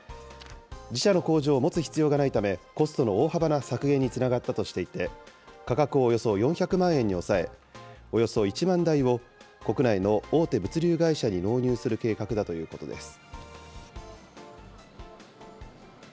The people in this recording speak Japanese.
自社の工場を持つ必要がないため、コストの大幅な削減につながったとしていて、価格をおよそ４００万円に抑え、およそ１万台を国内の大手物流会社に納入する計画だということです。